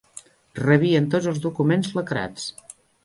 Rebien tots els documents lacrats.